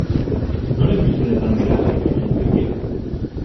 Noren mesedetan dira exijentzia horiek?